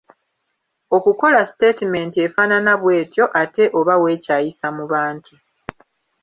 Okukola siteetimenti efaanana bw’etyo ate oba weekyayisa mu bantu.